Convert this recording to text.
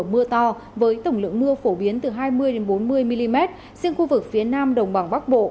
bốn mươi mm riêng khu vực phía nam đồng bằng bắc bộ